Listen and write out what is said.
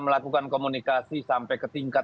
melakukan komunikasi sampai ke tingkat